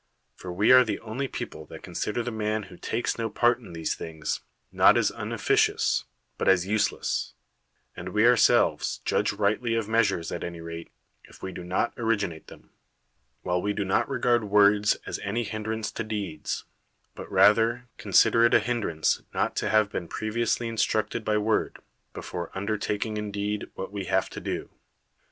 For we are the only people that consider the man who takes no part in these things, not as unofficious, but as useless; and we ourselves judge rightly of measures, at any rate, if we do not originate them; while we do not regard words as any hin drance to deeds, but rather [consider it a hin drance] not to have been previously instructed by word, before undertaking in deed what we have to do.